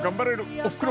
おふくろ